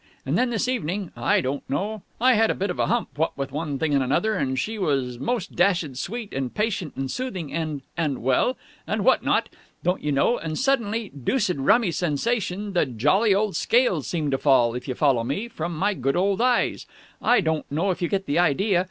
And then this evening I don't know. I had a bit of a hump, what with one thing and another, and she was most dashed sweet and patient and soothing and and well, and what not, don't you know, and suddenly deuced rummy sensation the jolly old scales seemed to fall, if you follow me, from my good old eyes; I don't know if you get the idea.